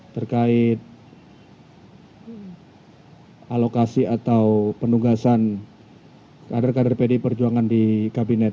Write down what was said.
terkait alokasi atau penugasan kader kader pdi perjuangan di kabinet